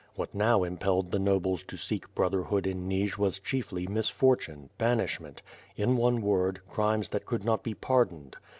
What now impelled the nobles to seek brotherhood in Nij was chiefly misfortune, banishment; in one word, crimes that could not be pardoned.